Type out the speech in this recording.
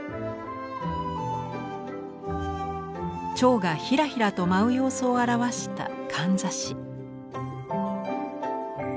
蝶がひらひらと舞う様子を表した簪。